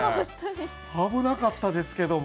危なかったですけども。